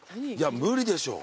無理でしょ。